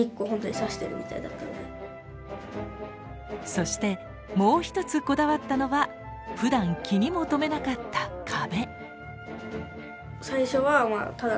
そしてもう１つこだわったのはふだん気にも留めなかった壁。